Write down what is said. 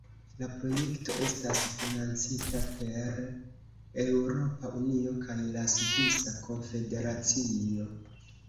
La projekto estas financita per Eŭropa Unio kaj la Svisa Konfederacio.